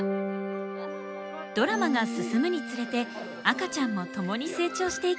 ドラマが進むにつれて赤ちゃんも共に成長していきます。